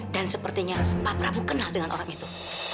dan sepertinya pak prabu kenal dengan orang itu